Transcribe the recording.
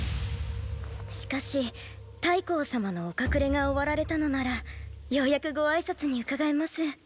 しかし太后様の“お隠れ”が終わられたのならようやくご挨拶に伺えます。